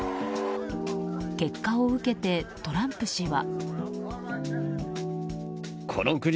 結果を受けてトランプ氏は。